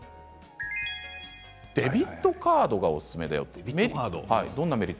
デビットカードがおすすめと。